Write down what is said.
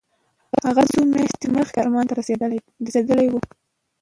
هغه څو میاشتې مخکې کرمان ته رسېدلی و.